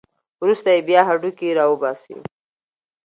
وروسته یې بیا هډوکي راوباسي.